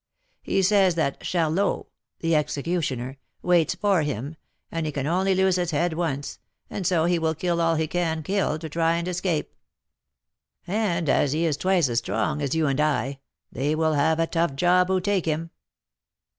He says that Charlot (the executioner) waits for him, and he can only lose his head once, and so he will kill all he can kill to try and escape. Oh! he makes no mystery of it; and as he is twice as strong as you and I, they will have a tough job who take him."